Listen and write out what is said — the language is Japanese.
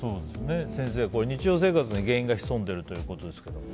先生、日常生活に原因が潜んでいるということですが。